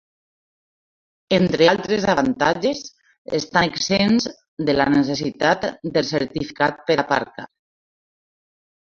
Entre altres avantatges, estan exempts de la necessitat del certificat per aparcar.